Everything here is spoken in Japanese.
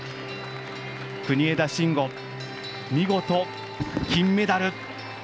国枝慎吾、見事、金メダル。